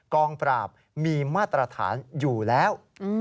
กองปราบมีมาตรฐานอยู่แล้ว